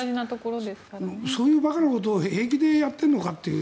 そういう馬鹿なことを平気でやっているのかという。